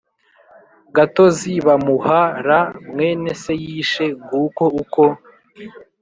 gatozi bamuh ra mwene se yishe Nguko uko